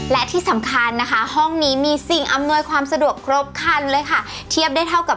และที่สำคัญนะคะห้องนี้มีสิ่งอำนวยความสะดวกครบคันเลยค่ะเทียบได้เท่ากับ